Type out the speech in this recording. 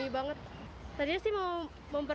yang sekarang pada umur